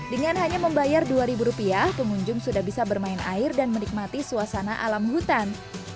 dengan hanya membayar dua ribu rupiah pengunjung sudah bisa bermain air dan menikmati suasana alam hutan